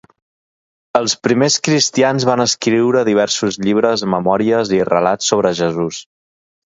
Els primers cristians van escriure diversos llibres, memòries i relats sobre Jesús.